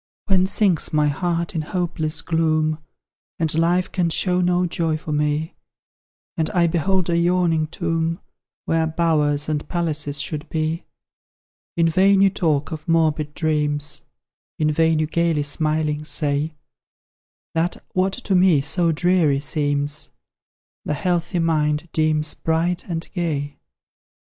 When sinks my heart in hopeless gloom, And life can show no joy for me; And I behold a yawning tomb, Where bowers and palaces should be; In vain you talk of morbid dreams; In vain you gaily smiling say, That what to me so dreary seems, The healthy mind deems bright and gay.